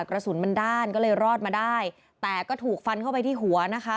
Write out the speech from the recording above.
กระสุนมันด้านก็เลยรอดมาได้แต่ก็ถูกฟันเข้าไปที่หัวนะคะ